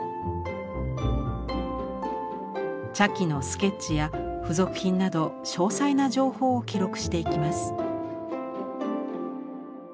茶器のスケッチや付属品など詳細な情報を記録していきます。